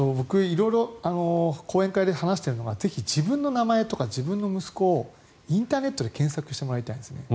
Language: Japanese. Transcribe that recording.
色々、講演会で話してるのがぜひ自分の名前とか自分の息子をインターネットで検索してもらいたいんですね。